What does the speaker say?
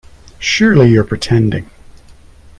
Surely you’re pretending.